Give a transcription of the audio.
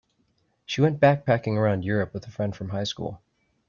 She went backpacking around Europe with a friend from high school.